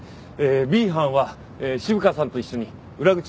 Ｂ班は渋川さんと一緒に裏口のほうへお願いします。